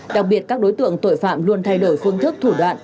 đặc biệt các đối tượng tội phạm luôn thay đổi phương thức thủ đoạn